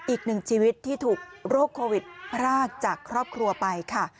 อีกหนึ่งชีวิตที่ถูกโรคโควิดพรากจากครอบครัวไปค่ะ